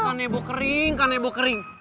kanebo kering kanebo kering